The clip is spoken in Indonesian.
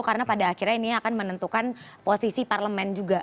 karena pada akhirnya ini akan menentukan posisi parlemen juga